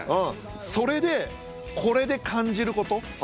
それでこれで感じること。